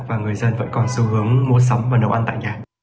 và người dân vẫn còn xu hướng mua sắm và nấu ăn tại nhà